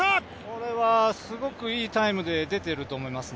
これはすごくいいタイムで出ていると思います。